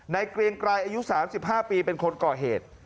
เกรียงไกรอายุ๓๕ปีเป็นคนก่อเหตุ